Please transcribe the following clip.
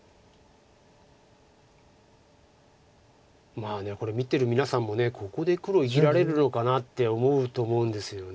まあこれ見てる皆さんもここで黒生きられるのかなって思うと思うんですよね。